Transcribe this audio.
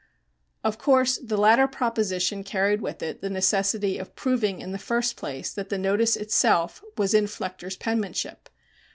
Of course the latter proposition carried with it the necessity of proving in the first place that the notice itself was in Flechter's penmanship.